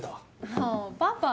もうパパ！